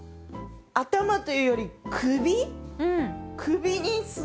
頭というより首？